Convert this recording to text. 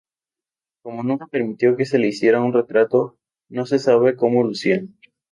Como nunca permitió que se le hiciera un retrato, no se sabe como lucía.